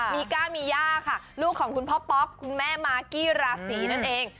มีก้ามีย่าค่ะลูกของคุณพ่อป๊อกคุณแม่มากกี้ราศีนั่นเอง